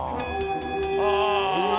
ああ。